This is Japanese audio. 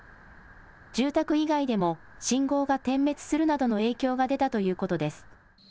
住宅以外でも信号が点滅するなどの影響が出たということです。